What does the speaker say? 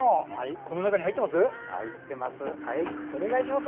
この中に入ってます？